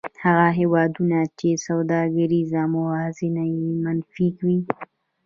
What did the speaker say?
هغه هېوادونه چې سوداګریزه موازنه یې منفي وي